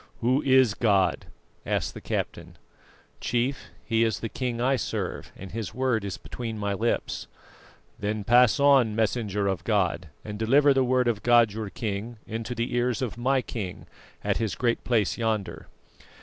"Who is God?" asked the captain. "Chief, He is the King I serve, and His word is between my lips." "Then pass on, Messenger of God, and deliver the word of God your King into the ears of my king, at his Great Place yonder.